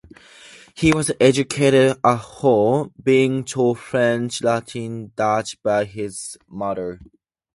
He was educated at home, being taught French, Latin and Dutch by his mother.